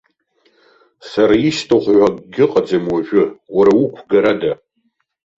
Сара исҭаху ҳәа акгьы ыҟаӡам уажәы, уара уқәгарада?